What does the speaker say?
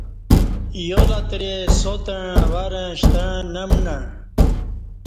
یالترے ساتݩع ورں شتݩع نہ مݨݩع